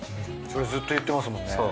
それずっと言ってますもんね。